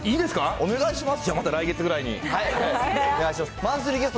お願いします。